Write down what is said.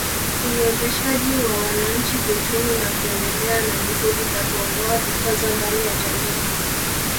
Uwezeshaji wa wananchi kiuchumi na kuendelea na juhudi za kuondoa vikwazo ndani ya jamii